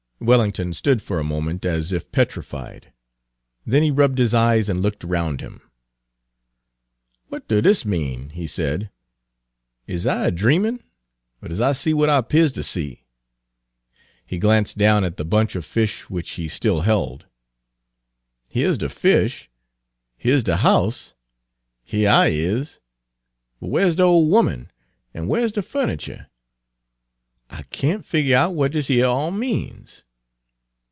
Wellington stood for a moment as if petrified. Then he rubbed his eyes and looked around him. Page 258 "W'at do dis mean?" he said. "Is I er dreamin', er does I see w'at I 'pears ter see?" He glanced down at the bunch of fish which he still held. "Heah's de fish; heah's de house; heah I is; but whar 's de ole 'omen, an' whar 's de fu'niture? I can't figure out w'at dis yer all means."